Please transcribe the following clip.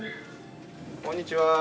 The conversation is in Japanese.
こんにちは。